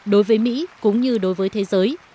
đối với mỹ cũng như đối với thế giới